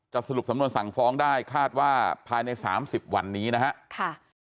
สรุปสำนวนสั่งฟ้องได้คาดว่าภายใน๓๐วันนี้นะครับ